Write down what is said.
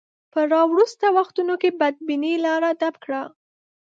په راوروسته وختونو کې بدبینۍ لاره ډب کړه.